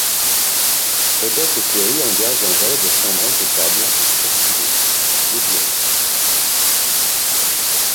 Odette Cléry engage un valet de chambre impeccable et très stylé, Désiré.